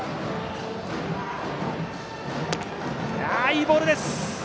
いいボールです。